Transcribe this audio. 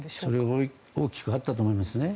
それは大きくあったと思うんですね。